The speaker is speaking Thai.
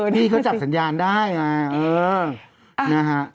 นี่เขาจับสัญญาณได้นะเออ